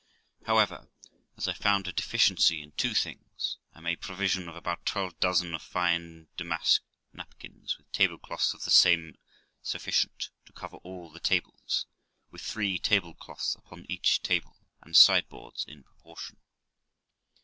However, as I found a deficiency in two things, I made provision of about twelve dozen of fine damask napkins, with tablecloths of the same, sufficient to cover all the tables, with three tablecloths upon every table, and sideboards in proportion.